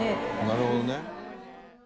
なるほどね。